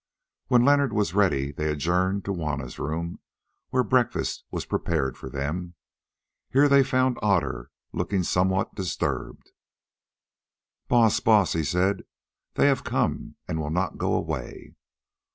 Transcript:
When Leonard was ready they adjourned to Juanna's room, where breakfast was prepared for them. Here they found Otter, looking somewhat disturbed. "Baas, Baas," he said, "they have come and will not go away!"